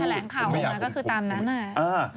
เมื่อไหร่มีการแถลงข่าวมาก็คือตามนั้น